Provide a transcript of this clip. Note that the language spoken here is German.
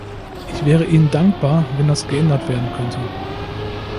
Ich wäre Ihnen dankbar, wenn das geändert werden könnte.